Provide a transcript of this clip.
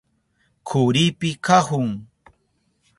Karupi kahun.